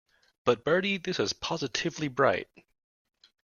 But, Bertie, this is positively bright.